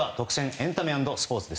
エンタメ＆スポーツ。